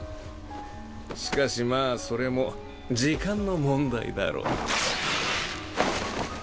しかしまあそれも時間の問題だろう。